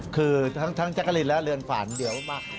คือทั้งจักรินและเรือนฝันเดี๋ยวมา